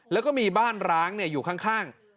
แล้วก็มีบ้านร้างอยู่ข้าง